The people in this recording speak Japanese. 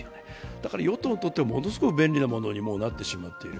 だから与党にとってはものすごく便利なものになってきてしまっている。